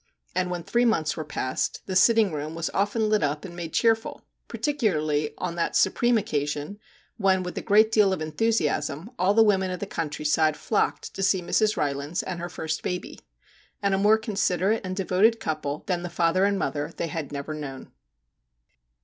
And when three months were past, the sitting room was often lit up and made cheer ful, particularly on that supreme occasion when, with a great deal of enthusiasm, all the women of the countryside flocked to see Mrs. Rylands and her first baby. And a more considerate and devoted couple than the father and mother they had never known.